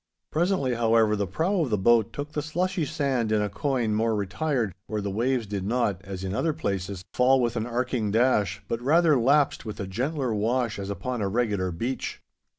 Presently, however, the prow of the boat took the slushy sand in a coign more retired, where the waves did not, as in other places, fall with an arching dash, but rather lapsed with a gentler wash as upon a regular beach.